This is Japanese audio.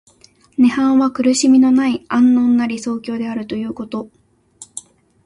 涅槃は苦しみのない安穏な理想郷であるということ。